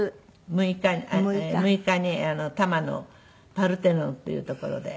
６日に多摩のパルテノンっていう所で。